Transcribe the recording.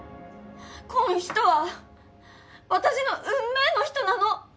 こん人は私の運命の人なの！